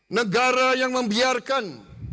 negara yang membiarkan